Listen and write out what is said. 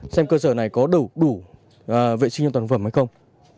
xem cơ sở này có đủ vệ sinh an toàn phẩm hay không